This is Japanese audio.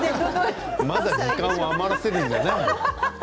まだ時間を余らせるんじゃない。